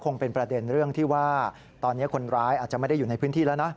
คงเป็นประเด็นเรื่องที่ว่าตอนนี้คนร้ายอาจจะไม่ได้อยู่ในพื้นที่แล้วนะ